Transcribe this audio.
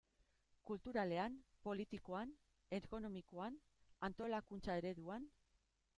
Kulturalean, politikoan, ekonomikoan, antolakuntza ereduan...